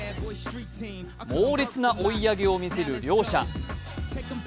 猛烈な追い上げを見せる両者。